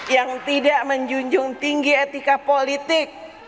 yang tidak menjunjung tinggi etika politik